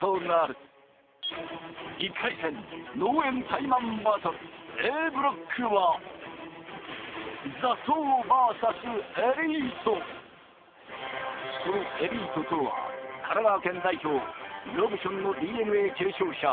タイマンバトルＡＢＬＯＣＫはそのエリートとは神奈川県代表ロブションのＤＮＡ継承者